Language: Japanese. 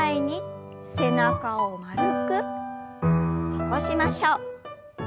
起こしましょう。